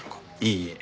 いいえ。